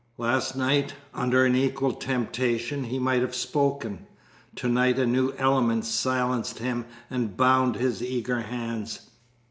Last night, under an equal temptation, he might have spoken. To night a new element silenced him and bound his eager hands.